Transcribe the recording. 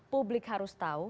publik harus tahu